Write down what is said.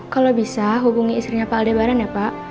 kalau bisa hubungi istrinya pak aldebaran ya pak